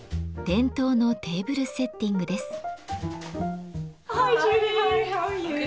伝統のテーブルセッティングです。